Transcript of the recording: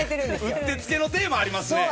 うってつけのテーマありますね。